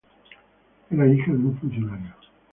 Era la hija de un funcionario.